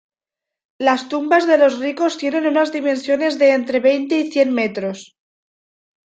Las tumbas de los ricos tienen unas dimensiones de entre veinte y cien metros.